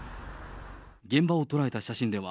現場を捉えた写真では、